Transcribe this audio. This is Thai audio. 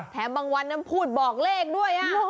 บางวันนั้นพูดบอกเลขด้วย